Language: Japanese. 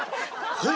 はい！